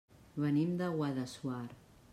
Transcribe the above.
Venim de Guadassuar.